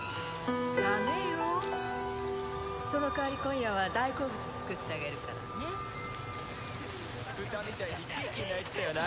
・ダメよその代わり今夜は大好物作ってあげるからねっブタみたいにキーキー泣いてたよな